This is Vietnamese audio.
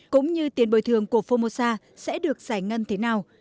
cũng như tiền bồi thường của formosa sẽ được giải ngân thế nào